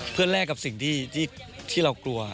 เพื่อแลกกับสิ่งที่เรากลัว